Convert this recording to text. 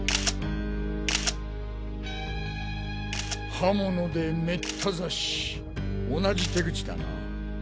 刃物で滅多刺し同じ手口だな。